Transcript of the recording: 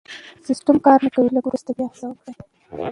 سيسټم کار نه کوي لږ وروسته بیا هڅه وکړئ